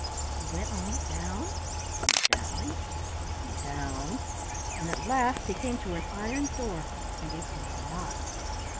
He went on down and down and down, and at last he came to an iron door, and it was locked.